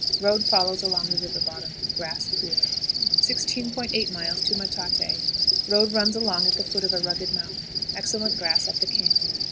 Road follows along the river bottom. Grass poor. 16.80. Metate. Road runs along at the foot of a rugged mountain. Excellent grass at the camp.